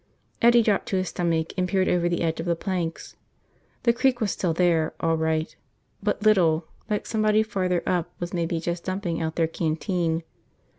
Eddie dropped to his stomach and peered over the edge of the planks. The creek was still there, all right. But little, like somebody farther up was maybe just dumping out their canteen.